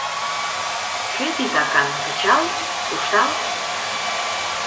Кӧ титакан, кычал, куржтал...